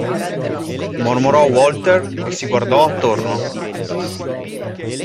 Mormorò Walter e si guardò attorno.